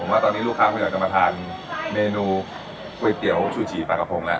อ่ะผมว่าตอนนี้ลูกค้าพี่หน่อยจะมาทานเมนูก๋วยเตี๋ยวชูชีฝากกระโพงแล้ว